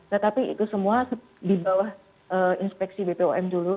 tetapi itu semua di bawah inspeksi bpom dulu